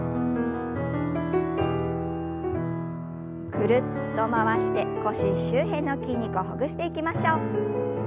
ぐるっと回して腰周辺の筋肉をほぐしていきましょう。